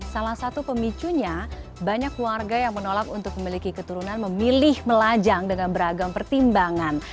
salah satu pemicunya banyak warga yang menolak untuk memiliki keturunan memilih melajang dengan beragam pertimbangan